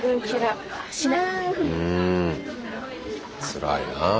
つらいなあ。